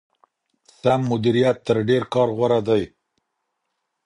سم مديريت تر ډېر کار غوره دی.